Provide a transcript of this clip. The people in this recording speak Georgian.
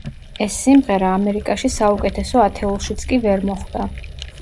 ეს სიმღერა, ამერიკაში საუკეთესო ათეულშიც კი ვერ მოხვდა.